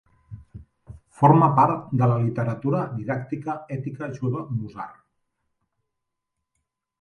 Forma part de la literatura didàctica ètica jueva Musar.